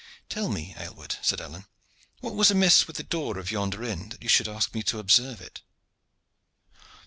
"Tell me, Aylward," said Alleyne, "what was amiss with the door of yonder inn that you should ask me to observe it."